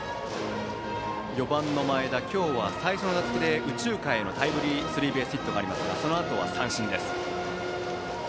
４番の前田、今日は最初の打席で右中間へのタイムリースリーベースヒットがありますがそのあとは三振です。